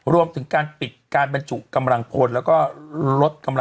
รวมถึงการปิดการบรรจุกำลังพล